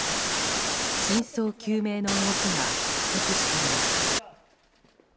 真相究明の動きが加速しています。